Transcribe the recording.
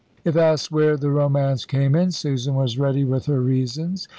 If asked where the romance came in, Susan was ready with her reasons.